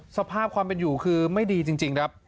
สภาพความเป็นอยู่คือไม่ดีจริงครับ